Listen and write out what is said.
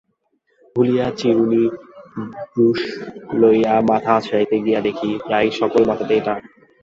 ভুলিয়া চিরুনি ব্রুশ লইয়া মাথা আঁচড়াইতে গিয়া দেখে, প্রায় সকল মাথাতেই টাক।